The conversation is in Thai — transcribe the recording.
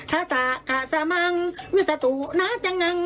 ทะสะทะสะมังวิสัตว์ตุนะจังงัง